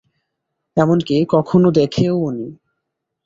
এমনকি কখনো দেখেওনি।